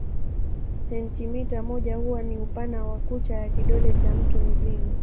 Sentimita moja huwa ni upana wa kucha ya kidole cha mtu mzima.